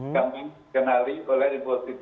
kita mengenali oleh limbosid t